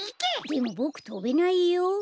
でもボクとべないよ。